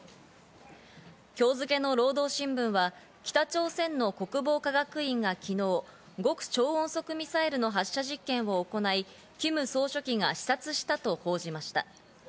今日付の労働新聞は北朝鮮の国防科学院が昨日、極超音速ミサイルの発射実験を行い、キム総書記が視察したと報じました。